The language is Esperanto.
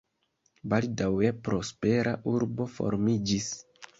Baldaŭe prospera urbo formiĝis.